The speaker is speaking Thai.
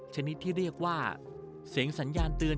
ชนิดที่เรียกว่าเสียงสัญญาณเตือน